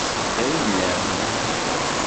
D ayla-m.